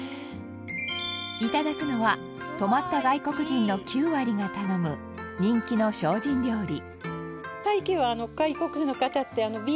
いただくのは泊まった外国人の９割が頼む人気の精進料理。